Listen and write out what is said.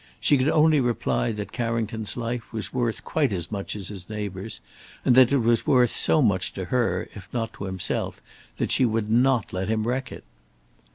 She could only reply that Carrington's life was worth quite as much as his neighbour's, and that it was worth so much to her, if not to himself, that she would not let him wreck it.